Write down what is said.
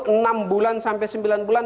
enam bulan sampai sembilan bulan